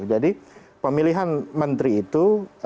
jadi pemilihan menteri itu